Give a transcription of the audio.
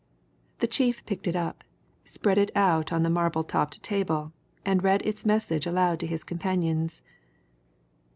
The chief picked it up, spread it out on the marble topped table, and read its message aloud to his companions.